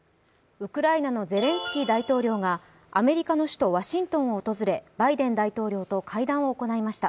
ウクライナのゼレンスキー大統領がアメリカの首都ワシントンを訪れバイデン大統領と会談を行いました。